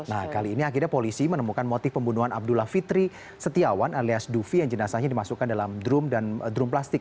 nah kali ini akhirnya polisi menemukan motif pembunuhan abdullah fitri setiawan alias dufi yang jenazahnya dimasukkan dalam drum dan drum plastik